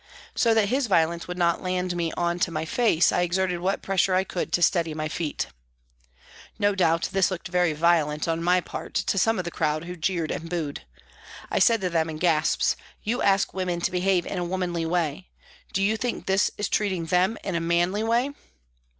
So that his violence would not land me on to my face I exerted what pressure I could to steady my feet. No doubt this looked very " violent " on my part to some of the crowd who jeered and booed. I said to them, in gasps :" You ask women to behave in a womanly way ; do you think this is treating them in a manly way